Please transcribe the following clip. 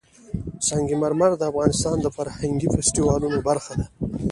سنگ مرمر د افغانستان د فرهنګي فستیوالونو برخه ده.